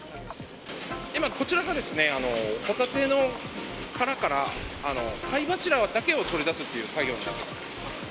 今、こちらが、ホタテの殻から貝柱だけを取り出すという作業になります。